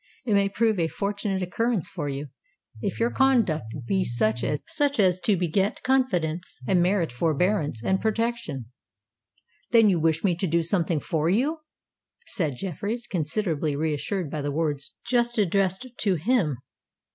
It may prove a fortunate occurrence for you, if your conduct be such as to beget confidence and merit forbearance and protection." "Then you wish me to do something for you?" said Jeffreys, considerably reassured by the words just addressed to him.